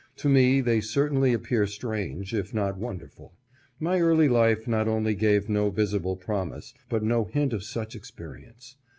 To me they certainly appear strange, if not wonderful. My early life not only gave no visible promise, but no hint of such experience.